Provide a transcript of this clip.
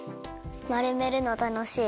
まるめるのたのしい。